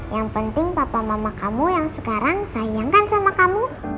yang penting papa mama kamu yang sekarang sayangkan sama kamu